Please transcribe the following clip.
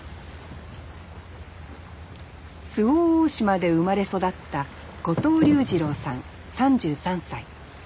周防大島で生まれ育った後藤龍二郎さん３３歳。